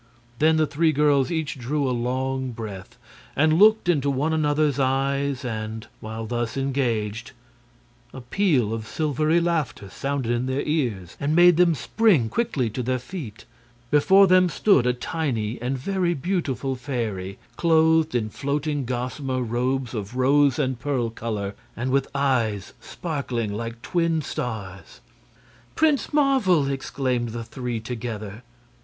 Then the three girls each drew a long breath and looked into one another's eyes, and, while thus engaged, a peal of silvery laughter sounded in their ears and made them spring quickly to their feet. Before them stood a tiny and very beautiful fairy, clothed in floating gossamer robes of rose and pearl color, and with eyes sparkling like twin stars. "Prince Marvel!" exclaimed the three, together.